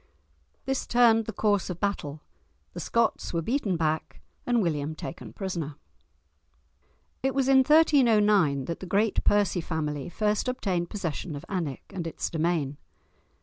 This turned the course of battle; the Scots were beaten back, and William taken prisoner. In was in 1309 that the great Percy family first obtained possession of Alnwick and its domain.